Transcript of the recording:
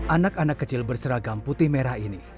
anak anak kecil berseragam putih merah ini